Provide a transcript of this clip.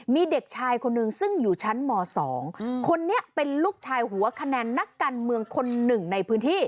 มีเด็กชายคนหนึ่งซึ่งอยู่ชั้นม๒คนนี้เป็นลูกชายหัวคะแนนนักการเมืองคนหนึ่งในพื้นที่